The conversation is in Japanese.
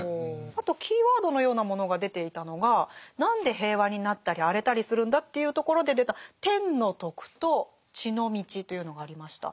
あとキーワードのようなものが出ていたのが何で平和になったり荒れたりするんだというところで出た「天の徳」と「地の道」というのがありました。